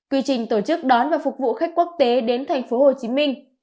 quy trình tổ chức đón và phục vụ khách quốc tế đến thành phố hồ chí minh